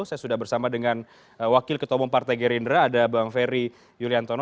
saya sudah bersama dengan wakil ketua umum partai gerindra ada bang ferry yuliantono